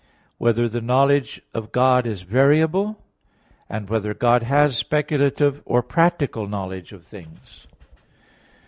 (15) Whether the knowledge of God is variable? (16) Whether God has speculative or practical knowledge of things?